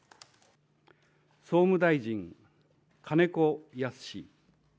総務大臣、金子恭之。